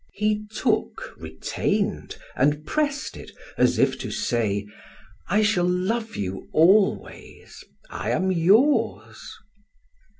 He took, retained, and pressed it as if to say: "I shall love you always, I am yours."